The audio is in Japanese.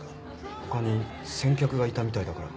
ほかに先客がいたみたいだから。